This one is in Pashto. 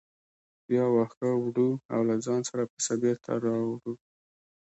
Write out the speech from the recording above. بیا واښه وړو او له ځانه سره پسه بېرته راوړو.